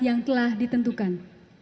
yang telah ditentukan